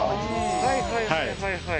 はいはいはいはいはい。